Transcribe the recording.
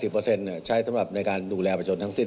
๕๐เปอร์เซ็นต์ใช้สำหรับในการดูแลประชนทั้งสิ้น